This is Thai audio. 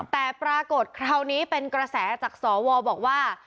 แต่ปรากฏคราวนี้เป็นกระแสจากสวบอกว่า